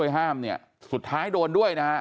ตามและตามและ